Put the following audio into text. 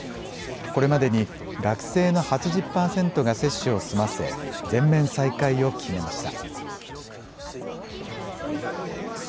これまでに学生の８０％が接種を済ませ、全面再開を決めました。